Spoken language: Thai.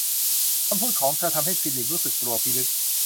คำพูดของเธอ ทำให้ฟิลิปรู้สึกกลัวพิลึก